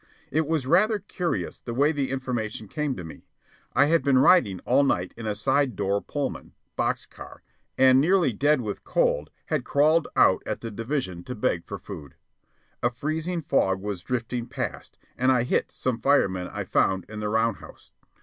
It was rather curious the way the information came to me. I had been riding all night in a "side door Pullman" (box car), and nearly dead with cold had crawled out at the division to beg for food. A freezing fog was drifting past, and I "hit" some firemen I found in the round house.